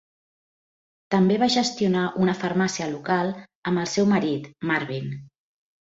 També va gestionar una farmàcia local amb el seu marit, Marvin.